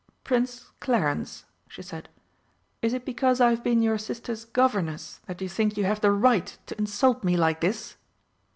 "Prince Clarence," she said, "is it because I have been your sister's Governess that you think you have the right to insult me like this?"